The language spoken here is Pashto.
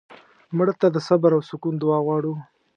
مړه ته د صبر او سکون دعا غواړو